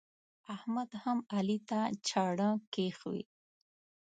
احمد هم علي ته چاړه کښوي.